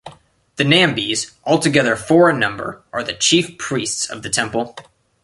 The Nambies, altogether four in number, are the Chief Priests of the Temple.